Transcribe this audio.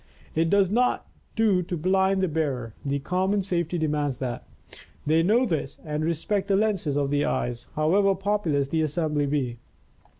It does not do to blind the bearer; the common safety demands that. They know this and respect the lenses of the eyes, however populous the assembly be.